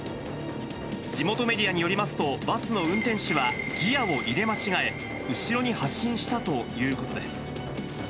地元メディアによりますと、バスの運転手はギアを入れ間違え、後ろに発進したということです。